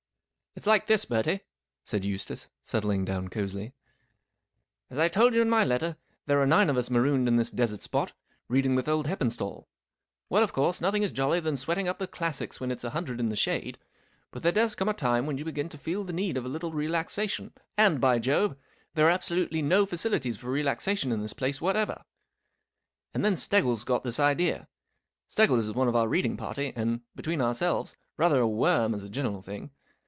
M It's like this, Bertie/* said Eustace, settling down cosily, As I told you in my letter, there are nine of us marooned in this desert spot, reading with old Heppenstall. Well, of course, nothing is jollier than sweat¬ ing up the Classics when it's a hundred in the shade, hut there does come a time when you begin to feel the need of a little relaxa¬ tion ; and, by Jove, there are absolutely no facilities for relaxation in this place whatever. And then Steggles got this idea. Steggles is one of our reading party, and, between ourselves, rather a worm as a general thing.